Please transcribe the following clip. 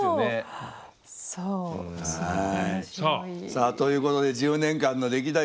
さあということで１０年間の歴代